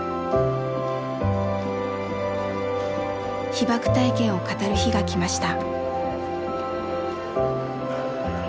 被爆体験を語る日がきました。